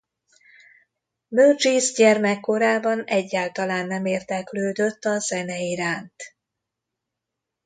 Burgess gyermekkorában egyáltalán nem érdeklődött a zene iránt.